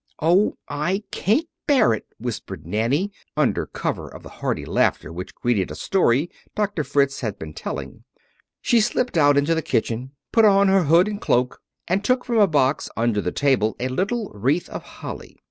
"Oh, I can't bear it!" whispered Nanny, under cover of the hearty laughter which greeted a story Doctor Fritz had been telling. She slipped out into the kitchen, put on her hood and cloak, and took from a box under the table a little wreath of holly.